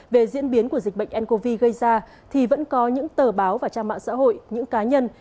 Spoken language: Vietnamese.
về diễn biến của dịch bệnh ncov gây ra thì vẫn có những tờ báo và trang mạng xã hội những cá nhân